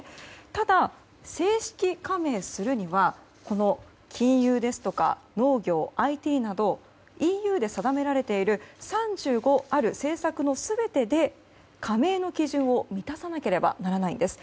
ただ、正式加盟するには金融ですとか農業、ＩＴなどＥＵで定められている３５ある政策の全てで加盟の基準を満たさなければならないんです。